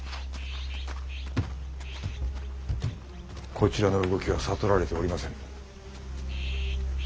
こちらの動きは悟られておりませぬ。